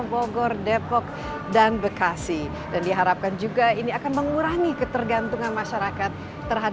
pertama perjalanan ke jakarta